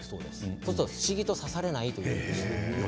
そうすると不思議と刺されないということです。